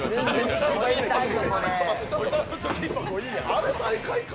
あれ最下位か？